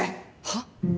はっ？